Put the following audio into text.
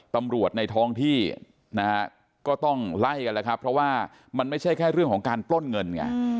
ตำรวจในท้องที่นะฮะก็ต้องไล่กันแล้วครับเพราะว่ามันไม่ใช่แค่เรื่องของการปล้นเงินไง